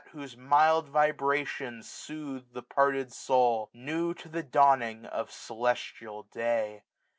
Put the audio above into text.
Whose mild vibrations soothe th6 parted soul. New to the dawning of celestial day.